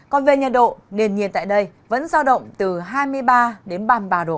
còn về nhiệt độ nền nhiệt tại đây vẫn giao động từ hai mươi ba đến ba mươi ba độ